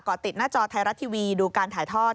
ติดหน้าจอไทยรัฐทีวีดูการถ่ายทอด